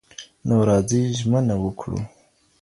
نو راځئ ژمنه وکړو.